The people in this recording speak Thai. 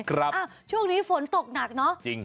ถ้าฝนตกหนักเนาะ